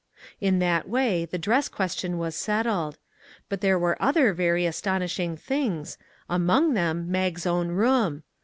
In that way the dress question was settled; but there 300 A NEW HOME were other very astonishing things, among them, Mag's own room.